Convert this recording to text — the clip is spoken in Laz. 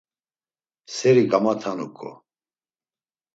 Seri gamatanuǩo!